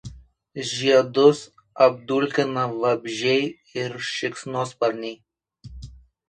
Žiedus apdulkina vabzdžiai ir šikšnosparniai.